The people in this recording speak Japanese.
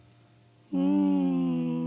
うん。